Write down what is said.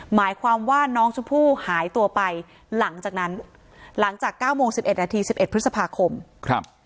หมายความว่าน้องชมพู่หายตัวไปหลังจากนั้นหลังจาก๙โมง๑๑นาที๑๑พฤษภาคม